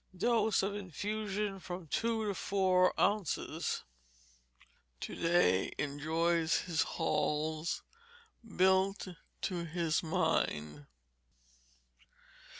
Dose of infusion, from two to four ounces. [TO DAY, ENJOYS HIS HALLS, BUILT TO HIS MIND.